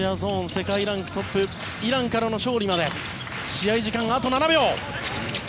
世界ランクトップイランからの勝利まで試合時間、あと７秒。